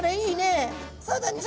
「そうだね